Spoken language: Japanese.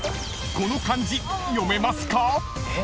［この漢字読めますか？］えっ？